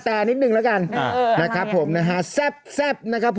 แล้วหยุดเดี๋ยวมาดำปริญค่ะ